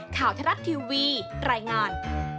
ข่าวทรัฐทีวีรายงาน